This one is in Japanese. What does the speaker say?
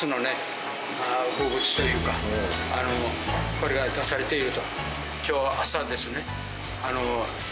これが出されていると。